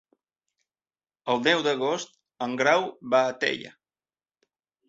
El deu d'agost en Grau va a Teià.